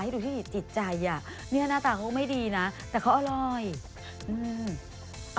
ดูที่จิตใจอ่ะเนี้ยหน้าตาเขาก็ไม่ดีนะแต่เขาอร่อยอืม